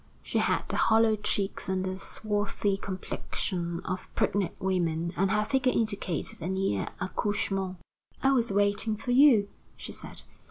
She had the hollow cheeks and the swarthy complexion of pregnant women; and her figure indicated a near accouchement. "I was waiting for you," she said.